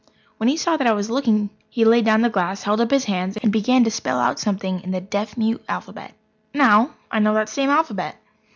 When he saw that I was looking he laid down the glass, held up his hands, and began to spell out something in the deaf mute alphabet. Now, I know that same alphabet.